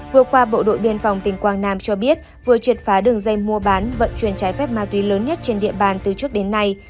vừa qua bộ đội biên phòng tỉnh quảng nam cho biết vừa triệt phá đường dây mua bán vận chuyển trái phép ma túy lớn nhất trên địa bàn từ trước đến nay